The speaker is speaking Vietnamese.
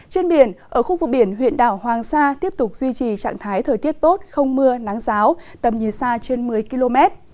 trên biển ở khu vực biển huyện đảo hoàng sa tiếp tục duy trì trạng thái thời tiết tốt không mưa nắng giáo tầm nhìn xa trên một mươi km